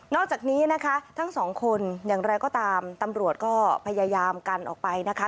อกจากนี้นะคะทั้งสองคนอย่างไรก็ตามตำรวจก็พยายามกันออกไปนะคะ